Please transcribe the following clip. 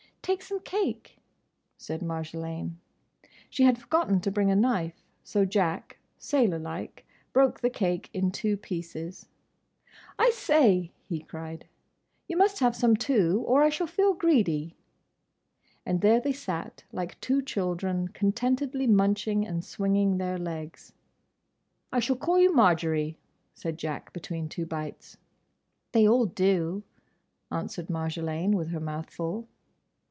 "Take some cake?" said Marjolaine. She had forgotten to bring a knife, so Jack, sailorlike, broke the cake in two pieces. "I say!" he cried, "you must have some too, or I shall feel greedy!" And there they sat, like two children, contentedly munching and swinging their legs. "I shall call you Marjory," said Jack, between two bites. "They all do," answered Marjolaine, with her mouth full.